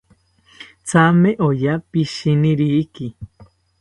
Thame oya pishiniriki